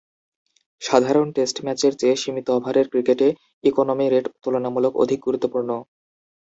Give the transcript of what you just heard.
সাধারণত টেস্ট ম্যাচের চেয়ে সীমিত ওভারের ক্রিকেটে ইকোনমি রেট তুলনামূলক অধিক গুরুত্বপূর্ণ।